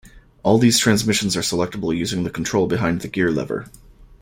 All these transmissions are selectable using the control behind the gear lever.